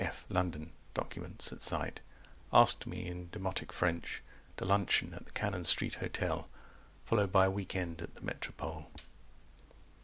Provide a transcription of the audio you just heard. f. London: documents at sight, Asked me in demotic French To luncheon at the Cannon Street Hotel Followed by a week end at the Metropole.